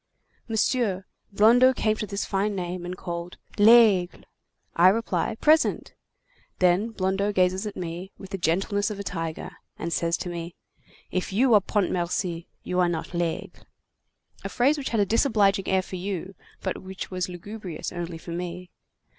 "Monsieur, Blondeau came to this fine name, and called: 'Laigle!' I reply: 'Present!' Then Blondeau gazes at me, with the gentleness of a tiger, and says to me: 'If you are Pontmercy, you are not Laigle.' A phrase which has a disobliging air for you, but which was lugubrious only for me.